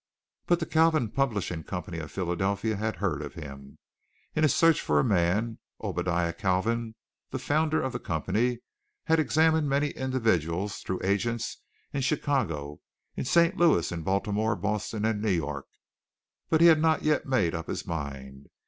But the Kalvin Publishing Company of Philadelphia had heard of him. In his search for a man, Obadiah Kalvin, the founder of the company, had examined many individuals through agents in Chicago, in St. Louis, in Baltimore, Boston, and New York, but he had not yet made up his mind.